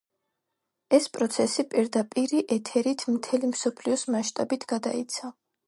ეს პროცესი პირდაპირი ეთერით მთელი მსოფლიოს მასშტაბით გადაიცა.